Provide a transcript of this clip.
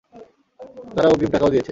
তারা অগ্রিম টাকাও দিয়েছে।